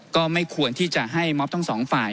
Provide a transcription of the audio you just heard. ก็ไม่ควรที่จะให้มอบทั้งสองฝ่าย